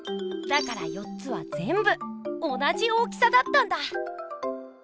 だから４つはぜんぶ同じ大きさだったんだ！